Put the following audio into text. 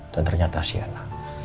dan ternyata sienna